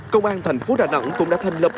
công an thành phố đà nẵng cũng đã thành lập